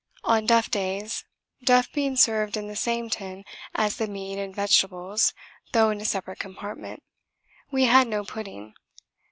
On duff days (duff being served in the same tin as the meat and vegetables, though in a separate compartment) we had no pudding.